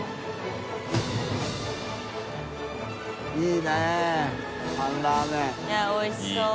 いやおいしそう。